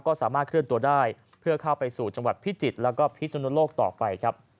ก็สามารถเคลื่อนตัวได้เพื่อเข้าไปสู่จังหวัดพิจิตรแล้วก็พิศนุโลกต่อไปครับ